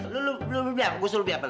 lu beli biar apa